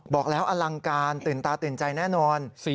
บอกแล้วอลังการตื่นตาตื่นใจแน่นอน